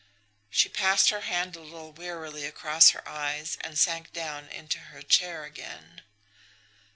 She passed her hand a little wearily across her eyes and sank down into her chair again.